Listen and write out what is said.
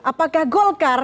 apakah golkar keporos perang